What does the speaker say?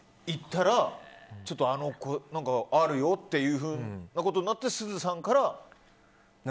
行ったら、あの子、あるよっていうふうなことになってすずさんから？